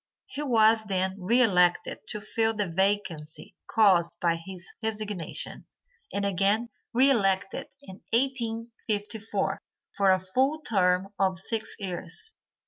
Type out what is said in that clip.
He was then re elected to fill the vacancy caused by his resignation, and again re elected in 1854 for a full term of six years.